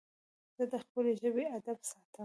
زه د خپلي ژبي ادب ساتم.